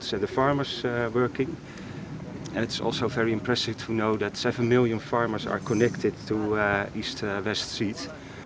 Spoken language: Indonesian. dan juga sangat menarik untuk mengetahui bahwa tujuh miliar pembelajaran terhubung ke east west seed